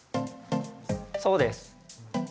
そうです。